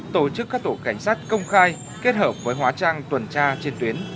tổ chức các tổ cảnh sát công khai kết hợp với hóa trang tuần tra trên tuyến